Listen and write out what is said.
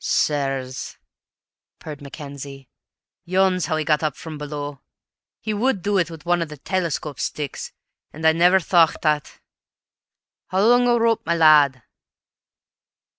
"Sirs," purred Mackenzie, "yon's how he got up from below! He would do it with one o' they telescope sticks, an' I never thocht o't! How long a rope, my lad?"